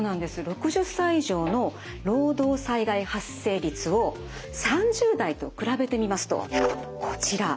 ６０歳以上の労働災害発生率を３０代と比べてみますとこちら。